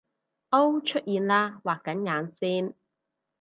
噢出現喇畫緊眼線！